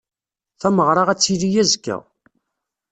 Tameɣra ad d-tili azekka.